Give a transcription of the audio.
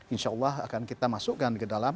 insya allah akan kita masukkan ke dalam